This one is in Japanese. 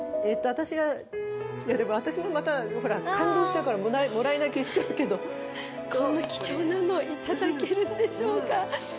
私が私もまたほら感動しちゃうからもらい泣きしちゃうけどこんな貴重なの頂けるんでしょうか